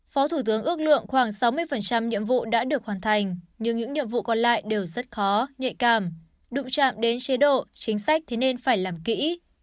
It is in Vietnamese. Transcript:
phó thủ tướng ước lượng khoảng sáu mươi nhiệm vụ đã được hoàn thành nhưng những nhiệm vụ còn lại đều rất khó nhạy cảm đụng chạm đến chế độ chính sách thì nên phải làm kỹ